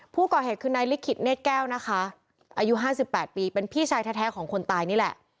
ผู้ก่อเหตุคือนายลิขิตเนธแก้วนะคะอายุ๕๘ปีเป็นพี่ชายแท้ของคนตายนี่แหละ